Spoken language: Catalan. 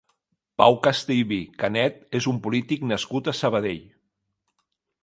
Pau Castellví Canet és un polític nascut a Sabadell.